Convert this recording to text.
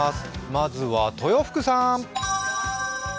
まずは豊福さん。